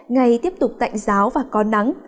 ngày tiếp tục tạnh giáo và có nắng